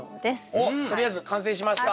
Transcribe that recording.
おっとりあえず完成しました！